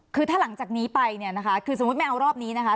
คือถ้าหลังจากนี้มีไม่เอารอบนี้นะคะ